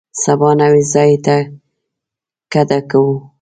سبا نوي ځای ته کډه کوو.